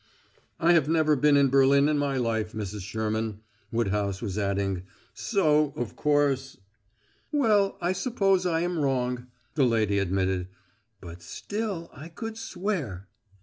"I have never been in Berlin in my life, Mrs. Sherman," Woodhouse was adding. "So, of course " "Well, I suppose I am wrong," the lady admitted. "But still I could swear."